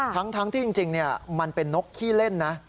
ทั้งที่จริงมันเป็นนกขี้เล่นนะ